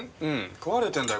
壊れてるんだよ